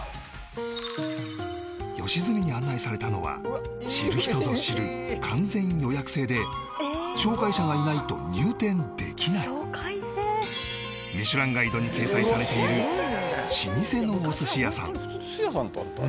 良純に案内されたのは知る人ぞ知る完全予約制で紹介者がいないと入店できない『ミシュランガイド』に掲載されている老舗のお寿司屋さん